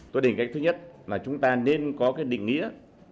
tôi định cách thứ nhất là chúng ta nên có định nghĩa